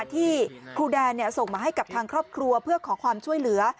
ที่ครูแดนส่งมาให้กับทางครอบครัวเพื่อขอความช่วยเหลือ